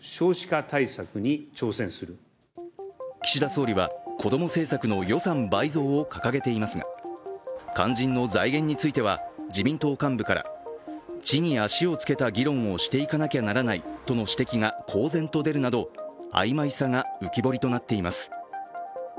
岸田総理は子ども政策の予算倍増を掲げていますが、肝心の財源については自民党幹部から，地に足をつけた議論をしていかなきゃならないとの指摘が公然と出るなど曖昧さが浮き彫りとなっています。